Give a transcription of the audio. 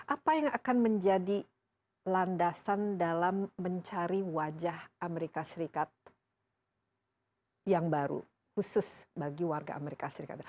apa yang akan menjadi landasan dalam mencari wajah amerika serikat yang baru khusus bagi warga amerika serikat